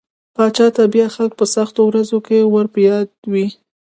پاچا ته بيا خلک په سختو ورځو کې ور په ياد وي.